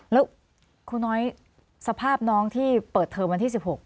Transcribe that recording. แล้วครูน้อยสภาพน้องที่เปิดเทอมวันที่๑๖